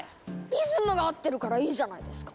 リズムが合ってるからいいじゃないですか！